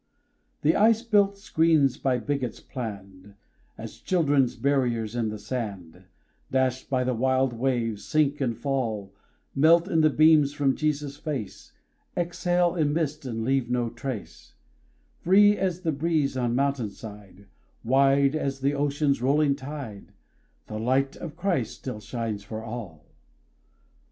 The ice built screens by bigots planned, As children's barriers in the sand, Dashed by the wild waves, sink and fall Melt in the beams from Jesus' face, Exhale in mist and leave no trace: Free as the breeze on mountain side, Wide as the ocean's rolling tide, "The light of Christ still shines for all!"